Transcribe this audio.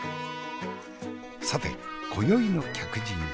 さて今宵の客人は。